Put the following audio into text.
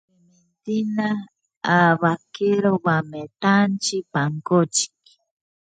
Clementina recibió en el hogar una educación liberal.